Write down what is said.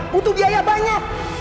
butuh biaya banyak